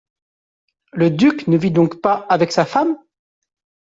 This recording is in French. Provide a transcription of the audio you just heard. Le duc ne vit donc pas avec sa femme ?